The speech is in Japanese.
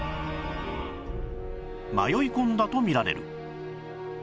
迷い込んだと見られる